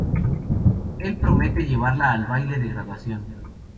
Él promete llevarla al baile de graduación.